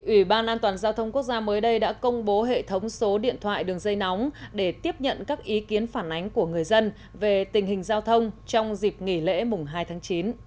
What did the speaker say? ủy ban an toàn giao thông quốc gia mới đây đã công bố hệ thống số điện thoại đường dây nóng để tiếp nhận các ý kiến phản ánh của người dân về tình hình giao thông trong dịp nghỉ lễ mùng hai tháng chín